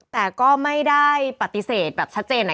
แต่ก็ไม่ได้ปฏิเสธแบบชัดเจน